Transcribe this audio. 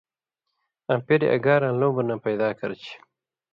آں پېریۡ اگاراں لومبہۡ نہ پیدا کرچھی۔